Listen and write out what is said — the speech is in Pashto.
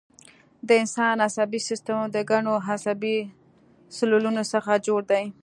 د انسان عصبي سیستم د ګڼو عصبي سلولونو څخه جوړ دی